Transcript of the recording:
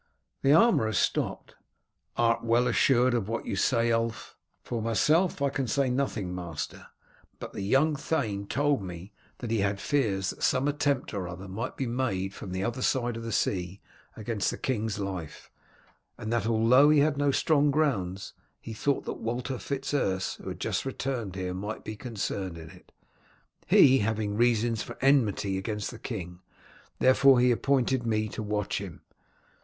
The armourer stopped. "Art well assured of what you say, Ulf?" "For myself I can say nothing, master, but the young thane told me that he had fears that some attempt or other might be made from the other side of the sea against the king's life, and that although he had no strong grounds, he thought that Walter Fitz Urse, who had just returned here, might be concerned in it, he having reasons for enmity against the king. Therefore he appointed me to watch him."